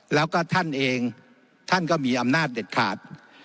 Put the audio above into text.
แล้วก็ท่านเองท่านก็มีอำนาจเด็ดขาด